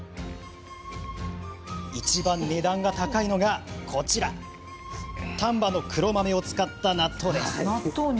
いちばん値段が高いのが、こちら丹波の黒豆を使った納豆です。